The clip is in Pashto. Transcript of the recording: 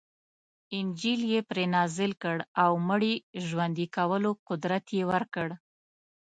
انجیل یې پرې نازل کړ او مړي ژوندي کولو قدرت یې ورکړ.